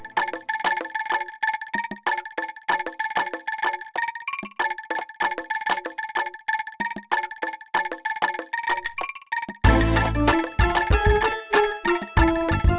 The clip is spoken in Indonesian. terima kasih pak